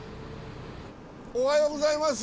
おはようございます。